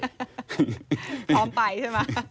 พร้อมไปใช่ไหม